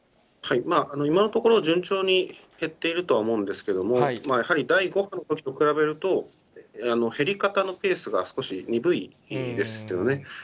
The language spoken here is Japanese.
今のところ、順調に減っているとは思うんですけれども、やはり第５波と比べると、減り方のペースが少し鈍いですよね。